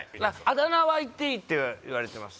あだ名は言っていいって言われてます